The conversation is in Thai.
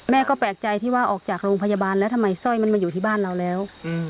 แม่ก็แปลกใจที่ว่าออกจากโรงพยาบาลแล้วทำไมสร้อยมันมาอยู่ที่บ้านเราแล้ว